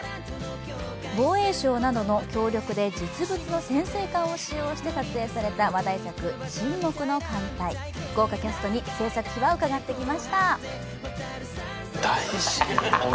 防衛省などの協力で実物の潜水艦を使用して撮影された話題作「沈黙の艦隊」、豪華キャストに製作秘話、伺ってきました。